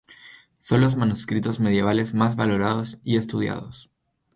Son los manuscritos medievales más valorados y estudiados.